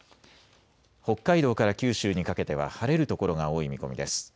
北海道から九州にかけては晴れる所が多い見込みです。